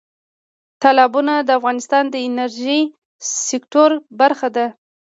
تالابونه د افغانستان د انرژۍ سکتور برخه ده.